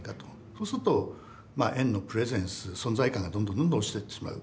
そうすると円のプレゼンス存在感がどんどんどんどん落ちてってしまう。